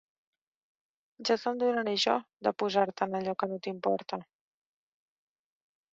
Ja te'n donaré jo, de posar-te en allò que no t'importa!